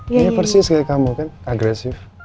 nyanyi persis kayak kamu kan agresif